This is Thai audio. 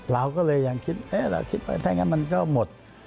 เราก็เลยยังคิดเราคิดว่าถ้างั้นมันก็หมด